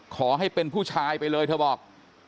ขอให้เป็นผู้ชายไปเลยเธอบอก